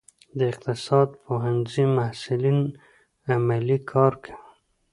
د اقتصاد پوهنځي محصلین عملي کار کوي؟